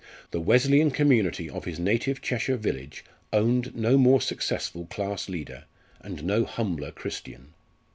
The Wesleyan community of his native Cheshire village owned no more successful class leader, and no humbler Christian.